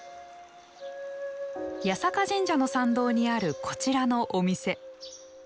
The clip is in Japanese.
八坂神社の参道にあるこちらのお店。